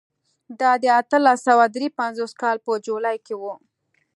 دا د اتلس سوه درې پنځوس کال په جولای کې و.